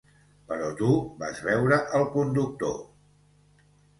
Però tu vas veure el conductor!